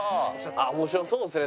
面白そうですね